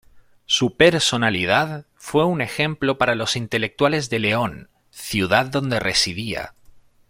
Su personalidad fue un ejemplo para los intelectuales de León, ciudad donde residía.